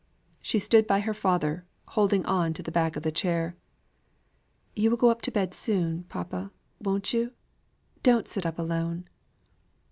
She stood by her father, holding on to the back of his chair. "You will go to bed soon, papa, won't you? Don't sit up alone!"